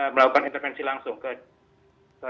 melakukan intervensi langsung ke